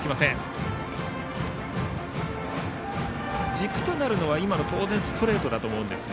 軸となるのはストレートだと思うんですが。